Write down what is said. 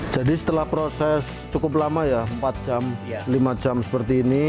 jadi setelah proses cukup lama ya empat jam lima jam seperti ini